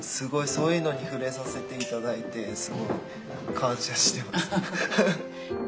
そういうのに触れさせて頂いてすごい感謝してます。